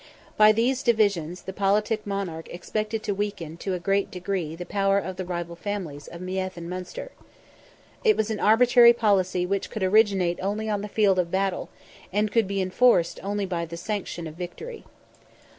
By these subdivisions the politic monarch expected to weaken to a great degree the power of the rival families of Meath and Munster. It was an arbitrary policy which could originate only on the field of battle, and could be enforced only by the sanction of victory.